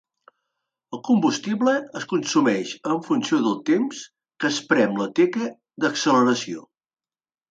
El combustible es consumeix en funció del temps que es prem la teca d'acceleració.